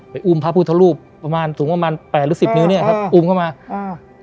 อุ้มพระพุทธรูปประมาณสูงประมาณแปดหรือสิบนิ้วเนี้ยครับอุ้มเข้ามาอ่า